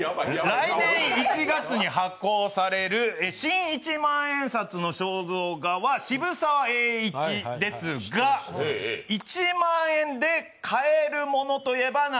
来年１月に発行される新一万円札の肖像は渋沢栄一ですが、１万円で買えるものといえば何？